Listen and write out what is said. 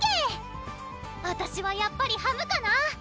あたしはやっぱりハムかな！